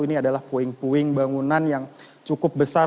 ini adalah puing puing bangunan yang cukup besar